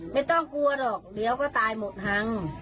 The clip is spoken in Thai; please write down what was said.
ไม่ต้องกลัวหรอกเดี๋ยวก็ตายหมดหัง